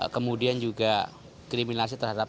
kemudian juga kriminalisasi terhadap pa dua ratus dua belas